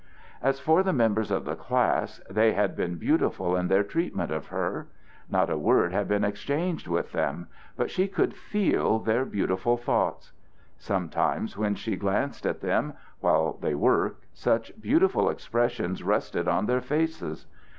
As for the members of the class, they had been beautiful in their treatment of her. Not a word had been exchanged with them, but she could feel their beautiful thoughts. Sometimes when she glanced at them, while they worked, such beautiful expressions rested on their faces.